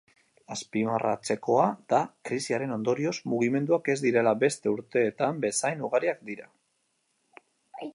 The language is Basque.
Azpimarratzekoa da krisiaren ondorioz, mugimenduak ez direla beste urteetan bezain ugariak dira.